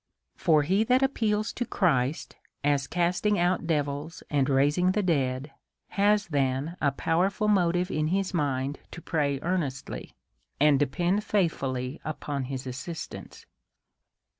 For he that appeals to Christ, as casting out devils, and raising the dead, has then a powerful motive in his hand to pray earnestly and depend faithfully upon his assistance.